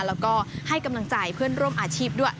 แล้วก็ให้กำลังใจเพื่อนร่วมอาชีพด้วย